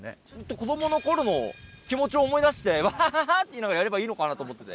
子供の頃の気持ちを思い出してワハハハっていうのをやればいいのかなと思ってて。